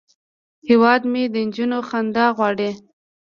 هیواد مې د نجونو خندا غواړي